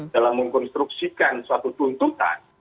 dalam mengkonstruksikan suatu tuntutan